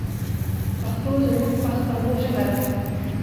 پښتو زموږ پښتنو ژبه ده.